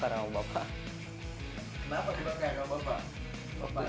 kenapa dibakar sama bapak